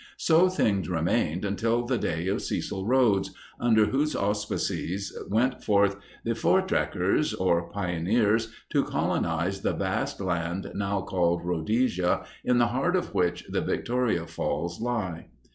So things remained until the day of Cecil Rhodes, under whose auspices went forth the voortrekkers, or pioneers, to colonize the vast land now called Rhodesia, in the heart of which the Victoria Falls lie.